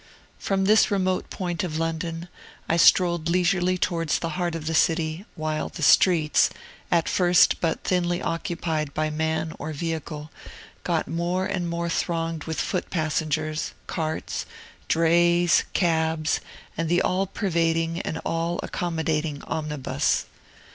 From this remote point of London, I strolled leisurely towards the heart of the city; while the streets, at first but thinly occupied by man or vehicle, got more and more thronged with foot passengers, carts, drays, cabs, and the all pervading and all accommodating omnibus.